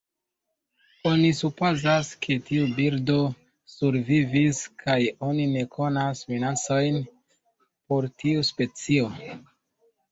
Oni supozas ke tiu birdo survivis kaj oni ne konas minacojn por tiu specio.